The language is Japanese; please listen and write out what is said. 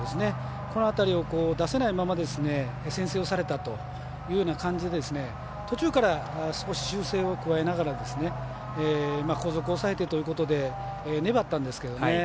この辺りを出せないまま先制された感じで、途中から少し修正を加えながら後続を抑えてというところで粘ったんですけどね。